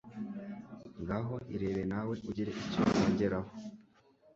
Ngaho irebere nawe ugire icyo wongeraho